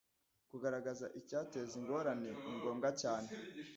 Kugaragaza icyateza ingorane ni ngombwa cyane